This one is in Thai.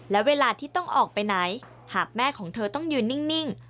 และเวลาที่ต้องออกไปไหนหากแม่ของเธอต้องยืนนิ่ง